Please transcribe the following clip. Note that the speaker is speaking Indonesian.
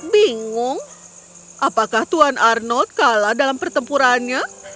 bingung apakah tuan arnold kalah dalam pertempurannya